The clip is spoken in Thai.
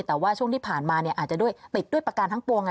แต่ว่าช่วงที่ผ่านมาอาจจะด้วยติดด้วยประการทั้งปวง